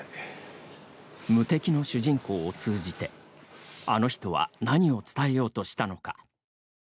無敵の主人公を通じてあの人は何を伝えようとしたのか。